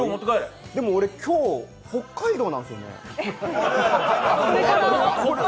でも、俺今日、北海道なんですよね。